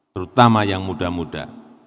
terutama yang muda muda